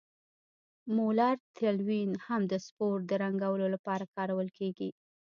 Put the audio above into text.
مولر تلوین هم د سپور د رنګولو لپاره کارول کیږي.